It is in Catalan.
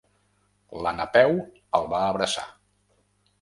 La Napeu el va abraçar.